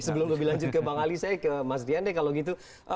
sebelum lebih lanjut ke bang ali saya ke mas dian deh kalau gitu